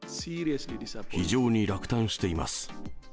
非常に落胆しています。